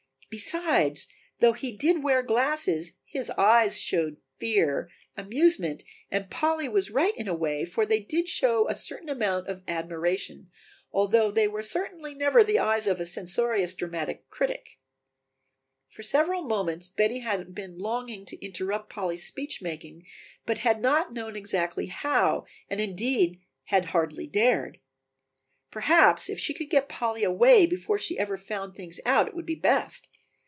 Besides, though he did wear glasses, his eyes showed fear, amusement and Polly was right in a way, for they did show a certain amount of admiration, although they were certainly never the eyes of a censorious dramatic critic. For several moments Betty had been longing to interrupt Polly's speech making but had not known exactly how, and indeed had hardly dared. Perhaps if she could get Polly away before she ever found things out it would be best.